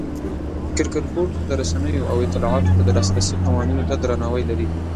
کرکټ بورډ د رسنیو او اطلاعاتو ته د لاسرسي قوانینو ته درناوی لري.